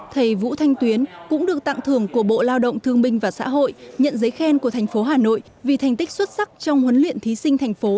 thầy vũ thanh tuyến cũng được tặng thưởng của bộ lao động thương minh và xã hội nhận giấy khen của thành phố hà nội vì thành tích xuất sắc trong huấn luyện thí sinh thành phố